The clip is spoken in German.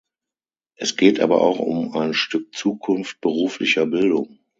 Es geht aber auch um ein Stück Zukunft beruflicher Bildung.